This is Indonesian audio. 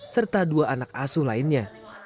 serta dua anak asuh lainnya